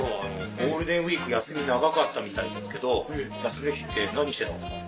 ゴールデンウイーク休み長かったみたいですけど休みの日って何してたんですか？